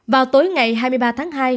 vào tối ngày hai mươi ba tháng hai